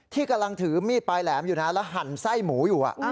ที่กำลังถือมีดปลายแหลมอยู่นะแล้วหั่นไส้หมูอยู่